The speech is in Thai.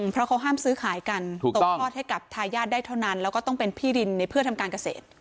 เพราะเขาห้ามซื้อขายกันตกทอดให้กับทายาทได้เท่านั้นแล้วก็ต้องเป็นที่ดินในเพื่อทำการเกษตร